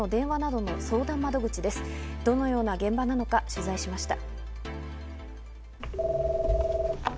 どのような現場なのか取材しました。